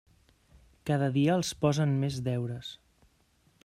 Cada dia els posen més deures.